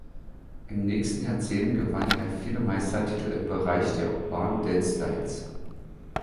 Im nächsten Jahrzehnt gewann er viele Meistertitel im Bereich der Urban Dance Styles.